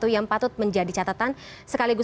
yang patut menjadi catatan sekaligus